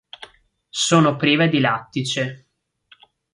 Sono prive di lattice.